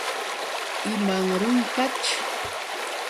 ¿Imanrunqaćh?